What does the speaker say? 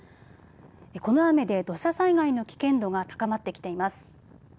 この雨で土砂災害の危険度が高まってきています。